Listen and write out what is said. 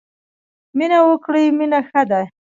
مینه وکړی مینه ښه ده.